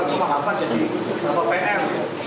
kondus di daerah itu sudah berpecah